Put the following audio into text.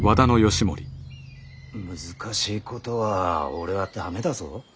難しいことは俺は駄目だぞ。